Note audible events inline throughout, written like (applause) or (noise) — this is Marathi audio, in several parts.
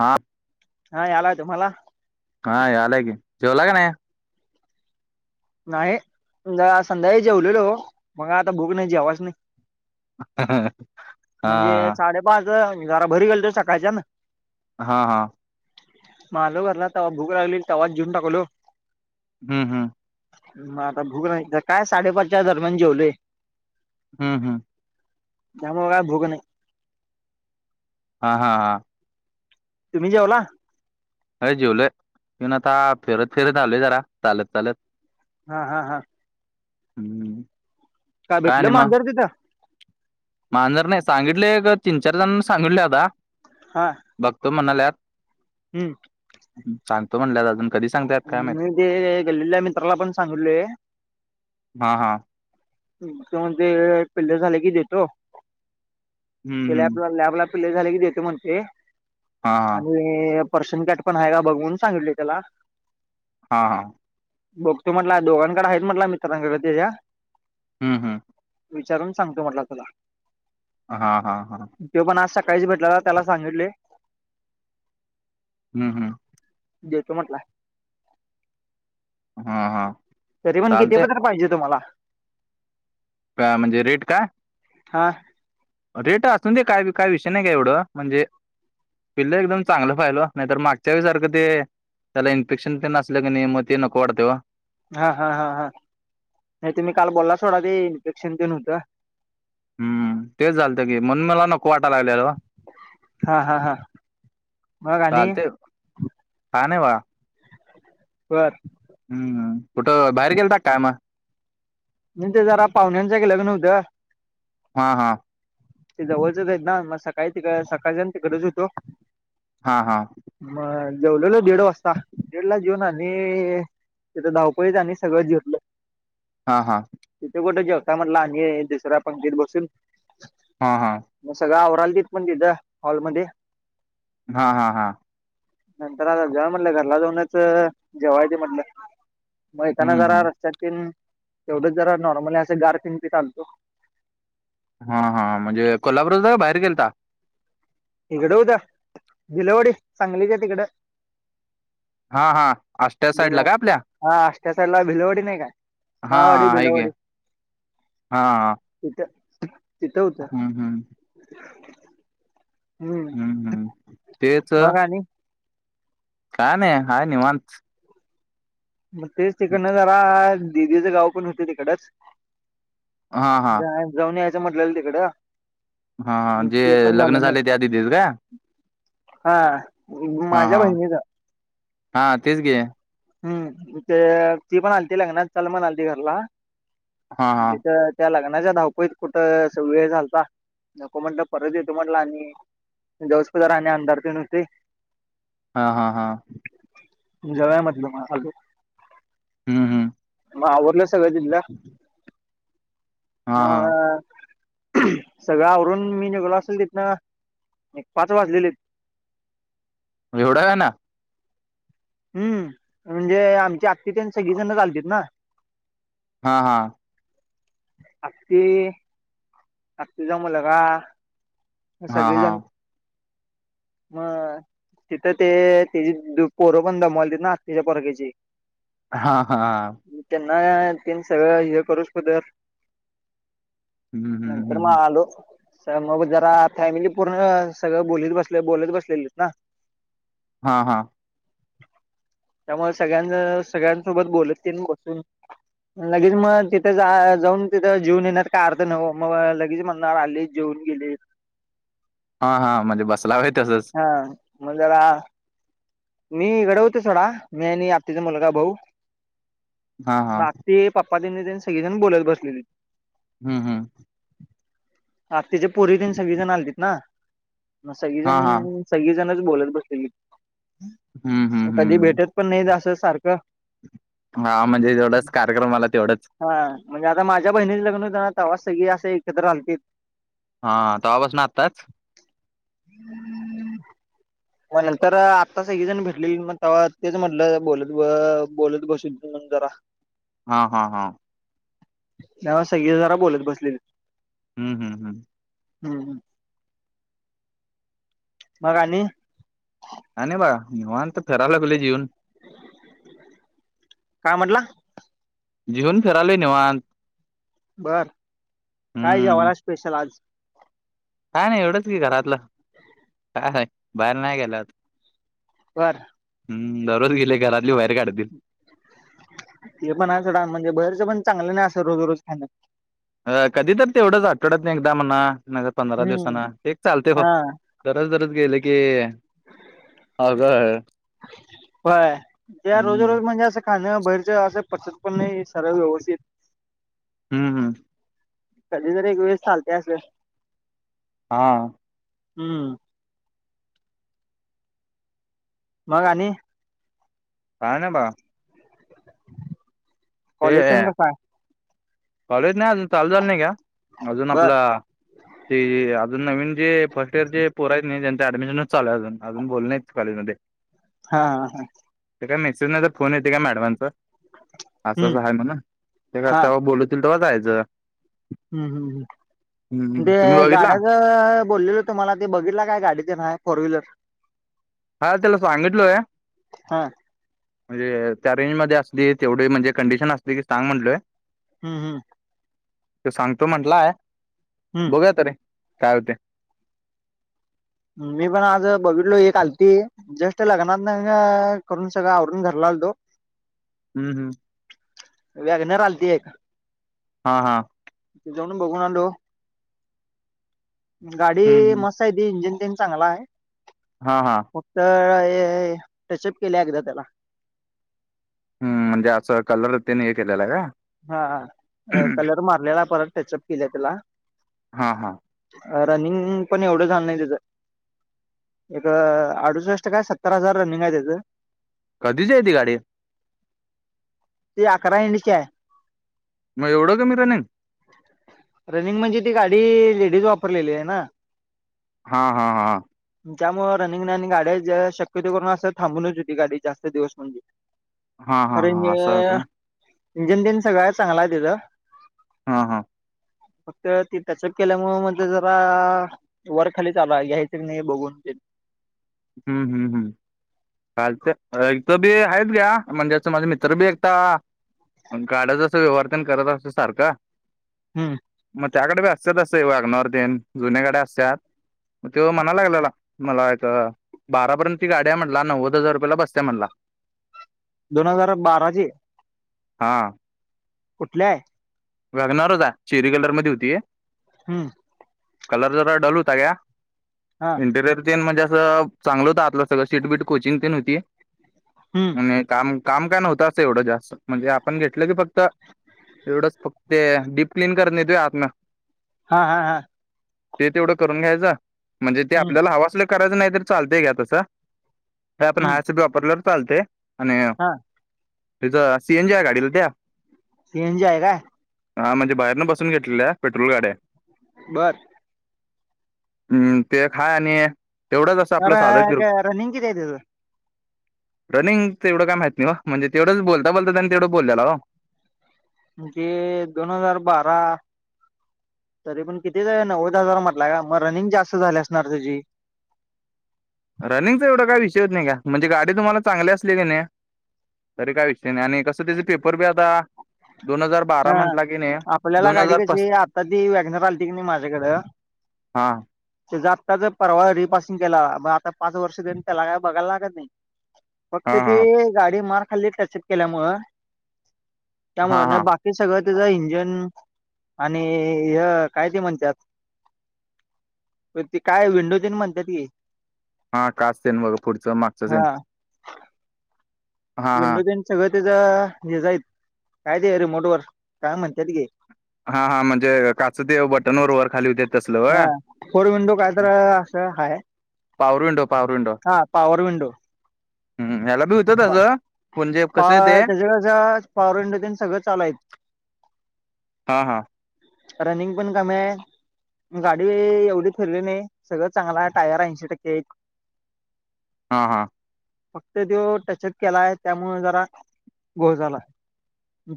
हा. हा आलाय तुम्हाला. काय आलाय की जेवला का नाही? नाही संध्याकाळी जेवलेलो हो मग आता भुक नाही. मग आता जेवाच नाही. (inaudible) हा म्हणजे साडेपाच जरा घरी गेल तो सकाळच्या ना. हा, हा. आलो घरला तवा भूक लागली तवाज जेवून टाकलो हम्म हम्. म आता भूक नाही काय साडेपाचच्या दरम्यान जेवलोय. हम्, हम्. त्यामुळे मग काय भुक नाही. हा, हा, हा. तुम्ही जेवला? अय जेवल पण आता फिरत, फिरत आलोय जरा चालत, चालत. हा, हा, हा. हम्. काय भेटलं मांजर तिथं. मांजर सांगितले तीन चार जणांना सांगितले आता. हा. बघतो म्हणाल्यात. हम्म. सांगतो म्हणल्या तर अजून कधी सांगतायत काय माहीत? मी ते गल्लीतल्या मित्राला पण सांगितलोय हा, हा. ते म्हणतेे पिल्ल झाले की देतो हम्म ते हम्म आपला लॅबला. पिल्ल झाले की देतो म्हणतो हा आणि पर्शन काॅट पण आहे का बघून सांगितले त्याला हा, हा. बघतो म्हटला दोघांकडे आहेत म्हटला मित्रांकडे त्याच्या हम हा. विचारून सांगतो म्हटला तुला. हा, हा, हा. तो पण आज सकाळीच भेटला त्याला सांगितले हम, हम. देतो म्हटलाय. हा हा. तरी पण किती चालतंय पतर पाहिजे तुम्हाला? काय म्हणजे रेट काय? हा. रेट असून दे काय बी काय विषय नाही का एवढं म्हणजे पिल्लं एकदम चांगलं पााहिजेलं वो नाहीतर मागच्या वेळी सारखं ते त्याला इन्फेक्शन ते न असल कणय मग ते नको वाटतय ओ. हा हा हा हा नाही तुम्ही बोलला सोडा ते इन्फेक्शन ते न होत. हम्म तेच झालत की म्हणून मला नको वाटा लागलेलं ओ. हा हा हा मग आणी? चालते का नाही बा बर. हम्म कुठं बाहेर गेलता काय मग? इथ जरा पाहुण्यांच एक लग्न होतं हा हा. ते जवळचच यत ना मग सकाळी तिकड सकाळच्यांन तिकडचं होतो. हा हा. मग जेवलेलो दीड वाजता, दीड ला जेऊन आणि तीथं धावपळीत आणि सगळं जिरलं. हा हा. तिथे कुठे जेवता म्हणल आणि दुसऱ्या पंगतीत बसून. हा हा. मग सगळं आवरालतीत पण तिथं हॉलमध्ये. हा हा हा. नंतर आता जा म्हणलं घरला जाऊनच जेवाय येतय म्हटलं. मग येताना हम्म जरा हम्म रस्त्यात तेन तेवढंच जरा नॉर्मली असे गार पिन पीत आलतो. हा हा म्हणजे कोल्हापुरातच का बाहेर गेलता? इकडं होतं भीलवडी सांगलीच्या तिकड. हा हा आष्ट्या भिल साईडला का आपल्या हा अष्टासाईटला भिलवडी नाही काय? माळवाडी हां हाय की भिलवडी हां. तिथं. तिथं होतं हम हम. हम्म हम्म तेच मग आणि काय नाही हाय निवांत. मग तेच तिकडनं जरा दिदीचं गाव पण होत तिकडच हा हा जा जाऊन यायचं म्हटलेलं तिकडं हां जे ते पण लग्न झालं नाही झालय त्या दिदीच का? हा हा माझ्या हा बहिणीच. हा तेच की. हम्म ते ती पण आलती लग्नात चला म्हणालती घरला हा हा तिथ त्या लग्नाच्या धावपळीत कुठं वेळ झालता नको म्हणलं परत येतो म्हटलं आणि जाऊस पतर आणि आंधार ते न हुतय. हा हा हा. जाऊया म्हटल मग आलो. हम्म हम्म. मग आवरल सगळं तिथल हा हा मग सगळं आवरून मी निेघलो असेल तिथनं, एक पाच वाजलेले. म येवडा गाणं हम्म, म्हणजे आमची आत्ती तेन सगळीजण चालतेत ना, हा हा, आत्ती आत्ती चा मुलगा हा हा सगळेजण मग तिथं ते (unintelligible) पोरं पण दमवली आत्ती पोरग्याची. हा हा, मी त्यांना तेन सगळं हे करू ठेवलं. हम् हम, नंतर मा आलो. त मग जरा फॅमिली पूर्ण सगळं बोलीत बसले, बोलत बसलेलीत ना हा हा, त्यामुळे संगळ्याज सगळ्यांसोबत बोलत तेन बसून लगेच मग तिथे जा जाऊन तिथं जेवून येेण्यात काय अर्थ (unintelligible) मग लगेच म्हणणार आले. जेवून गेले. हा हां, म्हणजे बसला व्हय तसंस ह, मग जरा मी इकडे होते सोडा, मी आणि आत्तीचा मुलगा, भाऊ हा हा, ते पप्पा त्यांनी त्यांनी सगळेजण बोलत बसलेली. हम्म हम्, आत्तेच्या पोरी देन सगळीजण आलतीत ना, म हा हा सगळीजण सगळीजणच बोलत बसलेली. हम्म हम्म कधी हम्म भेटत पण नाही जास्त सारखं हा म्हणजे तेवढंच कार्यक्रमाला तेवढंच हा म्हणजे आता माझ्या बहिणीच लग्न होता तवा सगळी असं एकत्र आलतीत. हा तवापासून आत्ताचं म नंतर आता सगळीजण भेटलेली मग तवा तेच म्हणलं बोलत ब बोलत बसीन (unintelligible) जरा हा हा हा, (unintelligible) सगळी जरा बोलत बसलेली. हम्म हम हम्, हम् हम्, मग आणि आणि बाळा निवांत फिरा लागलो जेवून का म्हटला? जेवन करालो निवांत बर, काय हम्म जेवाला स्पेशल आज? काय नाही एवढंच की घरातलं, काय नाही बाहेर नाही गेल्यात. बर, हम्, दररोज गेले घरातली बाहेर काढतील. ते पण आहे थोडा म्हणजे बहेरच पण चांगलं नाही असं रोज रोज खाणं. अ कधी त तेवढंच आठवडात न एकदा म्हणा नाहीत पंधरा दिवसान हम्म एक चालते हो. हा दरोज दरोज गेले की, अवघड. आहे. व्हय त्या रोज हं. रोज म्हणजे असं खाणं बाहेरचं असं पचत पण नाही सरळ व्यवस्थित हम्म हम्म. कधी जर एक वेळेस चालतय असलं. हा. हम्म. मग आणि काय ना बा ते कॉलेज तन कसं हाय? कॉलेज नाही अजून चालू झालं नाही घ्या,, अजून बर आपलं ते अजून नवीन जे फर्स्ट इयर जे पोरु आहेत नाही त्यांंच ऍडमिशनच चालू आहे अजून, अजून बोलवलं नाहीत कॉलेजमध्ये. हा ह हा. ते काय मेसेज नायतर फोन येतय घ्या मॅडमांचा. असं हम्म असं हाय म्हणून, ते हा तव्हा बोलवतील तव्हा जायाचं. हम्म हम् ह्,, म ते बघितला? गाड्याच बोललेलो तुम्हाला ते बघितला काय गाडीतेन हाय फोर व्हीलर? हा त्याला सांगितलोय हा म्हणजे त्या रेंज मध्ये असली तेवढी म्हणजे कंडिशन असली की सांग म्हणलोय हम्म हम्म. तो सांगतो म्हंटलाय,, बघुया तरी काय होतय. मी पण आज बघीतलो एक आलती जस्ट लग्नात ना करून आवरून घरला आलतो हम्म हम्म. वॅगनर आलती हा हा. जाऊन बघून आलो, गाडी हम्म हम्म मस्त आहे ती इंजिन तेन चांगलांय. हा हा. फक्त टचअप केल्या एकदा त्याला. हम्म म्हणजे असं कलरतेनी हे केलेलं हाय काय. हा हा, कलर मारलेला परत टचअप किल्या त्यला. हा हा रनिंग पण एवढं झालं नाही तिजं. एक अडुसष्ट काय सत्तर हजार रनिंग हाय त्यजं. कधीची हाय ती गाडी? ती अकरा एंडची हाय. मग एवढं कमी रनिंग. रनींग म्हणजे ती गाडी लेडीज वापरलेली आहे ना. हा हा हा. त्यामुळं रनिंग नाही आणि गाड्या ज शक्यतो करून असं थांबूनच हुती गाडी जास्त दिवस म्हणजे हा हा खरंजे हा असं आहे का इंजन तिन सगळं चांगलं हाय तिचं. हा हा. फक्त ती तसं केल्यामुळं म ते जरा वर खाली चालू हाय घ्याय च नाही बघून ते. हम्म हम्म हम्म. चालते, अ हिथं बी आहेत घ्या, म्हणजे असं माझं मित्र बी एकटा गाड्याचं असं व्यवहार तन करत असतय सारखं हम्म मग त्याकडे बी असतात असं वागनवरथन जुन्याकडे असतात. तेव म्हणायला मलाच बारार्यंती गाड्या म्हला नव्द हजार रुपयाला बसत्या म्हटला. दोन हजार बाराची हा, कुठलंय, वागणार होता शेरी कलर मध्ये होतीय. हम्म,.. कलर जरा डल होता का.. हा इंटिरियर चेन म्हणजे असं चांगलं होतं आपलं सगळं सिटबीट कोचिंग पण होती. हम्म. म्ह काम काम काय नव्हतं असं एवढं जास्त म्हणजे आपण घेतलं की फक्त एवढंच फक्त डीप क्लीन करत नाही तूय आतमा हा हा हा ते तेवढं करून घ्यायचं म्हणजे ते हम्म आपल्याला हवासले करायचं नाही तर चालतय घ्या तसं हे आपण हम्म हासप वापरल्यावर चालते आणि हा तिचं सीएनजी आहे गाडीला त्या, ईन जाय का हां म्हजे बाहेरन बसून घेतलेल्या पेट्रोल गाड्या बर ते खा आणि तेवढंच अ र आपलं साधं किर रनिंगच एवढं काय माह नाही म्हणे तेढंच बोलता बोलता त्यांनी तेवढं बोलल्याला हो, म्हणजे दोन हजार बारा तरी पण किती नव्वद हजार म्हटलं का मग रनिंग जास्त झाली असणार तची रनिंगचा एवढा काय विषय होत नाही का म्हणजे गाडी तुम्हाला चांगली असली की नाही. तरी काय विषयीने आणि कसं त्याचे पेपर बी आता. दोन हजार बारा हा म्हटला की नाही आपल्याला दोन गाडी हजार पस कशी आता ती वॅगन चालते की नाही माझ्याकडं. हां. ते आत्ताच परवा रिपासिंग केलाग आता पाच वर्ष देणे त्याला काय बघायला लागत नाही. फक्त हा ती हा गाडी मार खाल्ली त्याच्यात केल्यामु हा त्यामुंड हा बाकी ते सगळं त्याचं इंजन आणि हे काय ते म्हणतात. ते काय विंडोज आणि म्हणतात की, हा काच सल बग पुढचं मागचं हा सल हा विंडोजन सगळं त्याच हे जाईत काय ते रिमोट वर काय म्हणतायात गे, हा हा म्हणजे काच ते बटन वरोबर खाली होते. तसलं हा होय फोर विंडो काय तर असं हाय, पावरुंो पाववरुंो, हा पॉवर विंडो. हम्म, त्याच्या कड़े पॉवरवर इंडन सगळं चाल्यांच हा हा, रनिंग पण कमी आहे. गाडी एवढी फिरली नाही सगळं चांगलाय टायर ऐंशी टक्के आहेत हा हा त्यो जो टच अप केलाय त्यामुळ जरा घोळ झालाय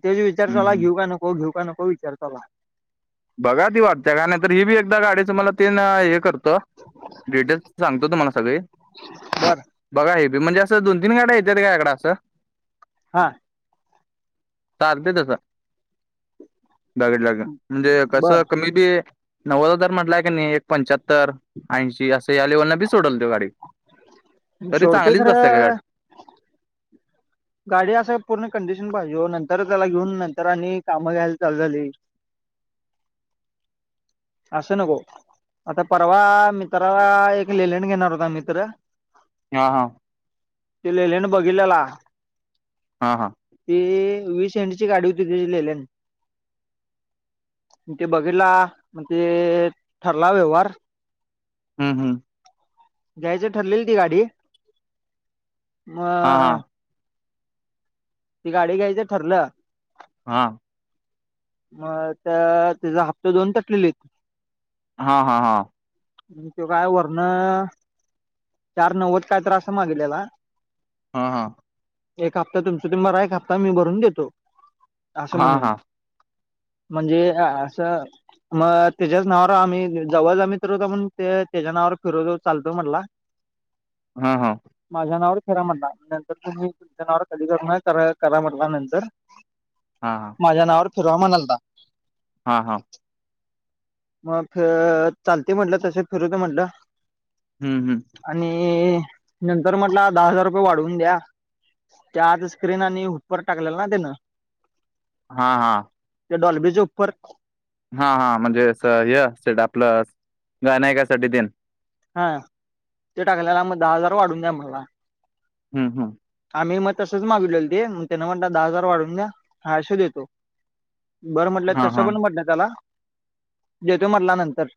तेच विचार चालू हाय हम्म. घेऊ का नको घेऊ का नको विचार चालू हाय बघा ती वाटत्या काय नाहीतर ही बी एकदा गाडी तुम्हाला तीन एक डिटेल सांगतो तुम्हाला सगळी बर बघा हे म्हणजे असं दोन तीन गाड्या येत्यात का इकड असं हा चालतंय तसं बघितल्या म्हणजे बर कसं कमी बी नव्वद हजार म्हंटलाय कणी एक पंच्याहत्तर ऐंशी अस यालय म्हटल्यावर बी सोडून द्यु गाडी तरी सोडतोय चांगलीच बसते का गाडी खरं गाडी असं पूर्ण कंडिशन पाहिजे ओ नंतर त्याला घेऊन नंतर आणि कामं यायला चालू झाली असं नको आता परवा मित्राला एक लेलेन घेणार होता मित्र हा हा ते लेलेने बघितलेला हां हां ती वीस एंडची गाडी होती त्याची लेलेन ते बघितला म ते ठरला व्यवहार हू हू घ्यायच ठरलेल ती गाडी म हा हा ती गाडी घ्यायचं ठरलं हा म आता त्याच हाप्त दोन तटलेली हा हा हा त्यो काय वरण चार नव्वद काय तर अस मागितलेला हा हा एक हप्ता तुमच तुम्ही भरा एक हप्ता मी भरून देतो असं हा म्हणून हा हा म्हणजे असं मग त्याज्याच नावावर आम्ही जवळचा मित्र होता म्हणून त्याज्या नावावर फिरवतो चालतो म्हटला हा हा माझ्या नावावर फिरा म्हटला नंतर तुम्ही तुमच्या नावावर कधी करणार करा करा म्हटला नंतर हा हा माझ्या नावावर फिरवा म्हणालता हा हा मग चालते म्हणलं तस फिरवतो म्हणलं हू हू आणि नंतर म्हंटला दहा हजार रुपय वाढवून द्या त्या आत स्क्रीन आणि हुपर टाकलेल ना त्यानं हा हा ते डॉल्बीचे उपर हा हा म्हणजे असं हेे (unintelligible) आपलस गाय नाहीयकासाठी देन. हा ते टाकलेला मग दहा हजार वाढून द्या मला. हम्म हम्म. आम्ही म तसंच मागवलेलं ते मग त्यांना म्हणता दहा हजार वाढवून द्या हाशू देतो. बरं म्हटलं हा तसं हा पण म्हटलं त्याला देतोय म्हटला नंतर.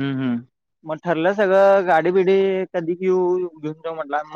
हम्म हम्म. मग ठरलं सगळं गाडी-बिडी कधी घेऊ येऊ घेऊन जाऊ म्हटलं मला